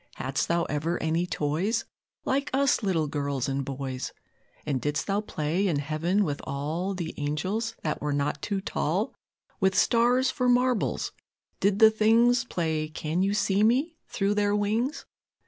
Hadst Thou ever any toys, Like us little girls and boys? And didst Thou play in Heaven with all The angels, that were not too tall, With stars for marbles? Did the things Play Can you see me? through their wings?